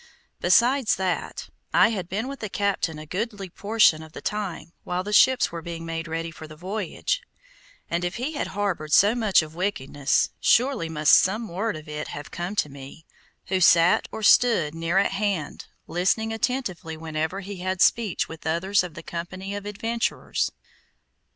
Besides that, I had been with the captain a goodly portion of the time while the ships were being made ready for the voyage, and if he had harbored so much of wickedness, surely must some word of it have come to me, who sat or stood near at hand, listening attentively whenever he had speech with others of the company of adventurers.